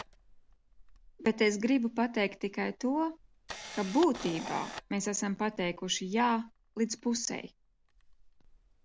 "Bet es gribu pateikt tikai to, ka būtībā mēs esam pateikuši "jā" līdz pusei."